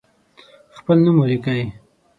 خپل نوم ولیکئ.